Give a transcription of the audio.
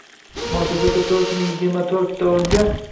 Muassasa to'rt yuz yigirma ikkinchi o‘ringa mo‘ljallangan bo‘lib